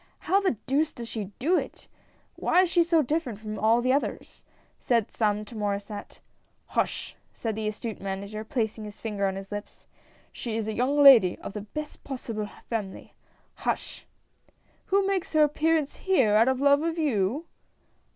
" How the deuce does she do it ? Why is she so dif ferent from all the others ?" said some to Mauresset. " Hush !" said the astute Manager, placing his finger on his lips, " she is a young lady of the best possible family. Hush !" "Who makes her appearance here out of love of you?"